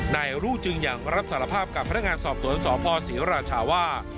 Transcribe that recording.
นายรุ่งจึงยังรับสารภาพกับพนักงานสอบสวนสพศรีราชาว่า